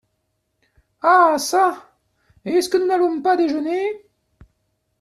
Ah ça ! est-ce que nous n’allons pas déjeuner ?